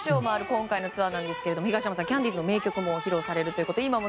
今回のツアーなんですが東山さん、キャンディーズの名曲も披露されるということで。